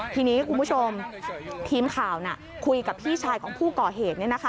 ทีนี้คุณผู้ชมทีมข่าวคุยกับพี่ชายของผู้ก่อเหตุ